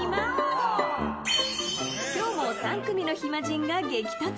今日も３組の暇人が激突。